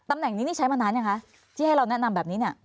ตำแหน่งนี้นี่ใช้มานานยังคะที่ให้เราแนะนำแบบนี้เนี่ย